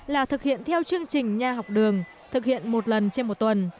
là thực hiện theo chương trình nhà học đường thực hiện một lần trên một tuần